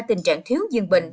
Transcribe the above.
tình trạng thiếu dương bệnh